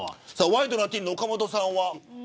ワイドナティーンの岡本さんは。